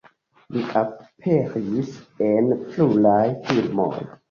Li aperis en pluraj filmoj.